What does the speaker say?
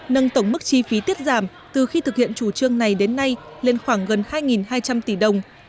nâng tổng mức chi phí tiết giảm từ khi thực hiện chủ trương này đến nay lên khoảng gần hai hai trăm linh tỷ đồng